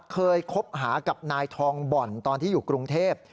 เคยคบหากับนายทองบ่อนตอนที่อยู่กรุงเทพ